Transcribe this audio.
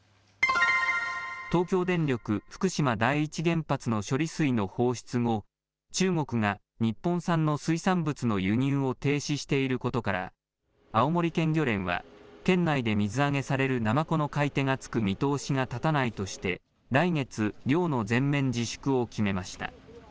東京電力福島第一原発の処理水の放出後、中国が日本産の水産物の輸入を停止していることから、青森県漁連は県内で水揚げされるナマコの買い手がつく見通しが立たないとして、来月、漁の全面自粛を決めました。